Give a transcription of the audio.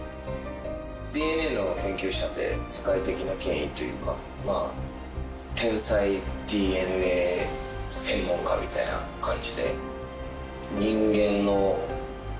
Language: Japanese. ＤＮＡの研究者で世界的な権威というかまぁ天才ＤＮＡ専門家みたいな感じで。